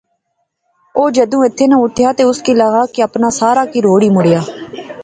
او جدوں ایتھِیں ناں اٹھیا تہ اس کی لغا کہ اپنا سارا کی روڑی مڑیا